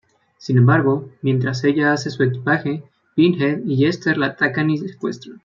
Sin embargo, mientras ella hace su equipaje, Pinhead y Jester la atacan y secuestran.